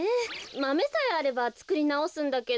マメさえあればつくりなおすんだけど。